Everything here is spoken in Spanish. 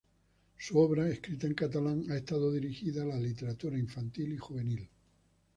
Su obra, escrita en catalán, ha estado dirigida a la literatura infantil y juvenil.